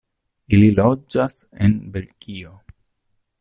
Ili loĝas en Belgio.